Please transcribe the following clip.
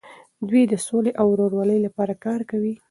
دوی د سولې او ورورولۍ لپاره کار کوي.